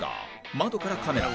「窓からカメラ」